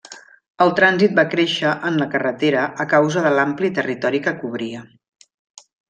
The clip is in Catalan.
El trànsit va créixer en la carretera a causa de l'ampli territori que cobria.